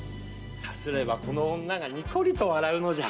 さすればこの女がニコリと笑うのじゃ。